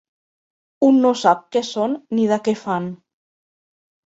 Un no sap què són ni de què fan